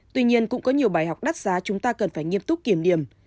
tuy nhiên cũng có nhiều bài học đắt giá chúng ta cần phải nghiêm túc kiểm điểm